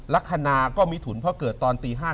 ลักษณะก็มิถุนเพราะเกิดตอนตี๕